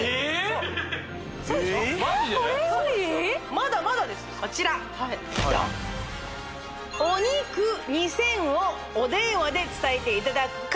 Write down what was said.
まだまだですよこちらドン！をお電話で伝えていただくか